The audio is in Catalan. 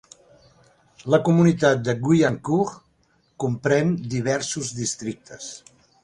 La comunitat de Guyancourt comprèn diversos districtes.